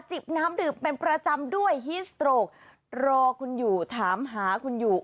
บน้ำดื่มเป็นประจำด้วยฮิสโตรกรอคุณอยู่ถามหาคุณอยู่